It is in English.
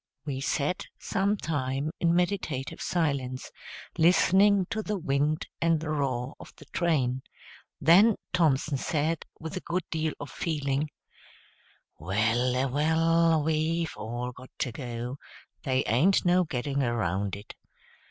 We sat some time, in meditative silence, listening to the wind and the roar of the train; then Thompson said, with a good deal of feeling, "Well a well, we've all got to go, they ain't no getting around it.